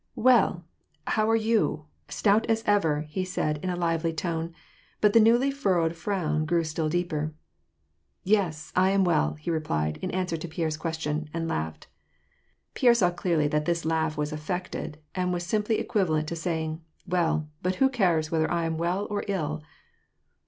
" Well, how are you ? Stout as ever !" he said in a lively tone, but the newly furrowed frown grew still deeper. " Yes, I am well," he replied, in answer to Pierre's question, and laughed. Pierre saw clearly that this laugh was affected, and was simply equivalent to saying, " Well, but who cares whether I am well, or ill